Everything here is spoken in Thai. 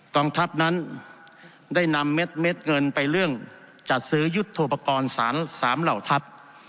กองทัพนั้นได้นำเม็ดเงินไปเรื่องจัดซื้อยุทธโปรกรณ์สาร๓เหล่าทัพ